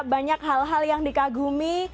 banyak hal hal yang dikagumi